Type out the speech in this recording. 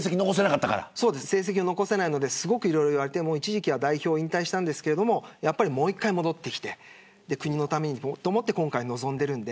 成績を残せないのでいろいろ言われて一時期は代表も引退したんですけどもう一度戻ってきて国のためにと思って今回臨んでいるので。